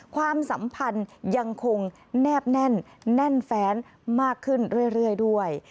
ความสัมพันธ์ยังคงแนบแน่นแน่นแฟนมากขึ้นเรื่อยด้วย